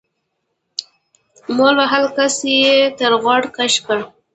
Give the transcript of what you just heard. مول وهلي کس يې تر غوږ کش کړ.